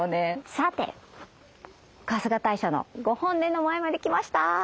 さて春日大社のご本殿の前まで来ました。